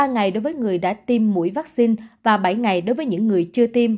ba ngày đối với người đã tiêm mũi vaccine và bảy ngày đối với những người chưa tiêm